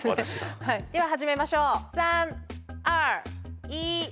では始めましょう３２１。